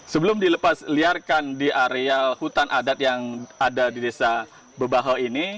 sebelum dilepasliarkan di area hutan adat yang ada di desa babahan ini